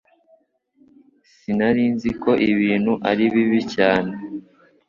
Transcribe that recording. Sinari nzi ko ibintu ari bibi cyane